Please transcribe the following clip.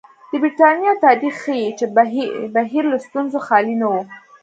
د برېټانیا تاریخ ښيي چې بهیر له ستونزو خالي نه و.